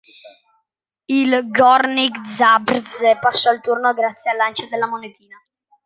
Il Górnik Zabrze passò il turno grazie al lancio della monetina.